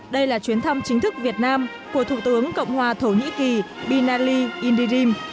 đây là chuyến thăm chính thức việt nam của thủ tướng cộng hòa thổ nhĩ kỳ binali indirim